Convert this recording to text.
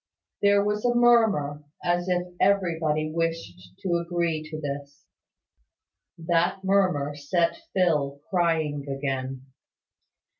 There was a murmur, as if everybody wished to agree to this. That murmur set Phil crying again.